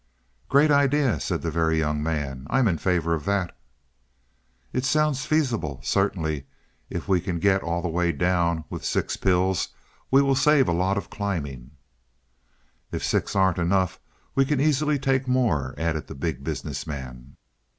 "Great idea," said the Very Young Man. "I'm in favor of that." "It sounds feasible certainly if we can get all the way down with six pills we will save a lot of climbing." "If six aren't enough, we can easily take more," added the Big Business Man.